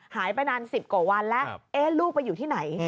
หายไปนาน๑๐กว่าวันแล้วลูกไปอยู่ที่ไหน